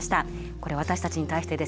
これ私たちに対してですよね。